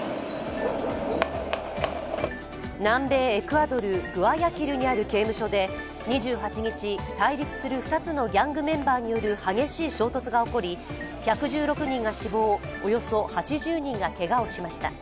南米エクアドル・グアヤキルにある刑務所で２８日、対立する２つのギャングメンバーによる激しい衝突が起こり１１６人が死亡、およそ８０人がけがをしました。